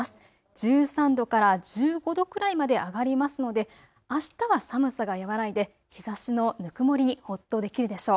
１３度から１５度くらいまで上がりますので、あしたは寒さが和らいで日ざしのぬくもりにほっとできるでしょう。